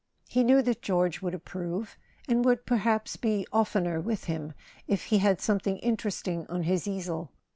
He knew that George would approve, and would perhaps be oftener with him if he had something in¬ teresting on his easel.